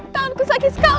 tahuanku sakit sekali